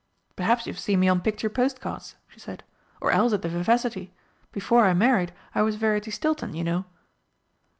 "Perhaps you've seem me on picture postcards," she said, "or else at the Vivacity. Before I married I was Verity Stilton, you know."